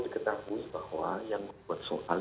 diketahui bahwa yang membuat soal